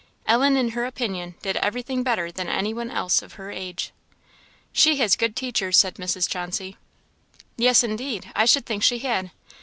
Ellen, in her opinion, did everything better than any one else of her age. "She has good teachers," said Mrs. Chauncey. "Yes, indeed! I should think she had.